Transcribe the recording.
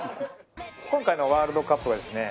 今回のワールドカップはですね